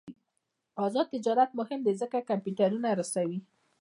آزاد تجارت مهم دی ځکه چې کمپیوټرونه رسوي.